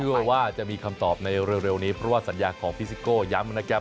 เชื่อว่าจะมีคำตอบในเร็วนี้เพราะว่าสัญญาณของฟิซิโกย้ำมนักแก๊บ